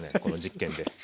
この実験で。